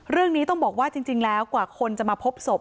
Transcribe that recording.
เรื่องนี้ต้องบอกว่าจริงแล้วกว่าคนจะมาพบศพ